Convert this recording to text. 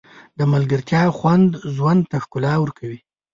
د ملګرتیا خوند ژوند ته ښکلا ورکوي.